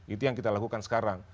itu yang kita lakukan sekarang